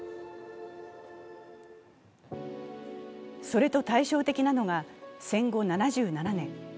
それと対照的なのが戦後７７年。